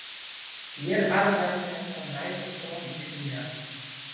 Hjir arbeide men fan heit op soan yn it stiengat.